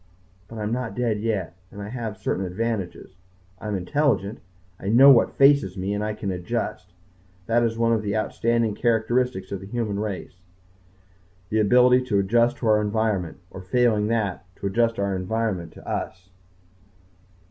But I am not dead yet. And I have certain advantages. I am intelligent. I know what faces me. And I can adjust. That is one of the outstanding characteristics of the human race the ability to adjust to our environment, or, failing that, to adjust our environment to us.